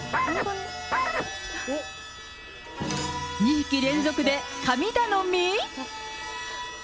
２匹連続で神頼み？